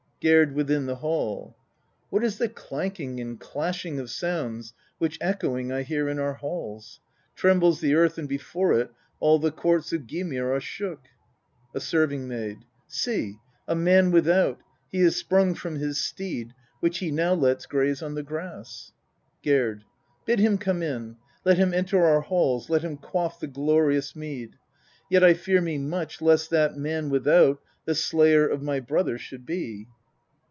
Gerd (within the hall). 14. What is the clanking and clashing of sounds which echoing I hear in our halls ? Trembles the earth and before it all the courts of Gymir are shook. A Serving maid. 15. See ! A man without ! He is sprung from his steed, which he now lets graze on the grass. Gerd. 16. Bid.him come in ; let him enter our halls, let him quaff the glorious mead ! Yet I fear me much lest that man without the slayer of my brother should be.